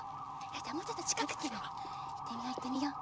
じゃあもうちょっとちかくにいってみよういってみよう。